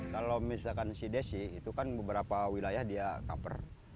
kalau misalkan si desi itu kan beberapa wilayah dia kaper